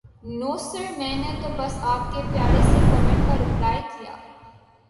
نو sir میں نے تو بس آپ کے پیارے سے کومینٹ کا رپلائے کیا